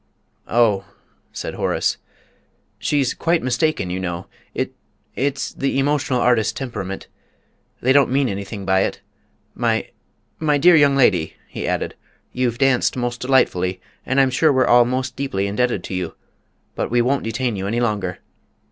'" "Oh!" said Horace, "she's quite mistaken, you know. It it's the emotional artist temperament they don't mean anything by it. My my dear young lady," he added, "you've danced most delightfully, and I'm sure we're all most deeply indebted to you; but we won't detain you any longer.